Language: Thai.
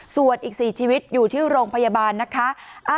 ส่วนอีก๔ชีวิตอยู่ที่โรงพยาบาลนะคะ